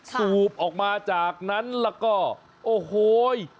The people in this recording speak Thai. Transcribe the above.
สูบออกมาจากนั้นแล้วก็โอ้โห